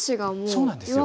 そうなんですよ。